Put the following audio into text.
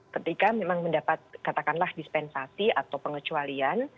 ketika memang mendapat katakanlah dispensasi atau pengecualian